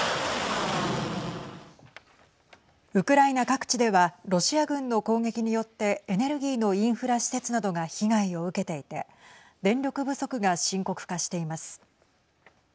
ウクライナ各地ではロシア軍の攻撃によってエネルギーのインフラ施設などが被害を受けていて電力不足が深刻化しています。